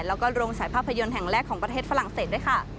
แล้วก็โรงสายภาพยนตร์แห่งแรกของประเทศฝรั่งเศสด้วยค่ะ